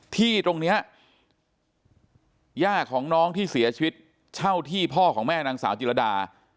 ที่ตรงนี้ย่าของน้องที่เสียชีวิตเช่าที่พ่อของแม่นางสาวจิรดา